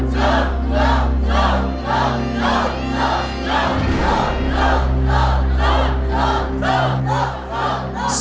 สู้